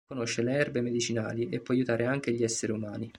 Conosce le erbe medicinali e può aiutare anche gli esseri umani.